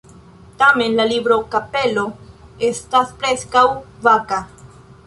Tamen, la libro-kapelo estas preskaŭ vaka.